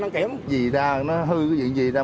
đăng kiểm vì ra nó hư cái chuyện gì ra